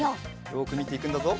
よくみていくんだぞ。